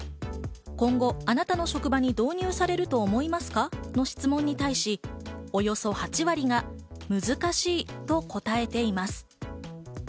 今後、あなたの職場に導入されると思いますかの質問に対し、およそ８割が難しいと答えています。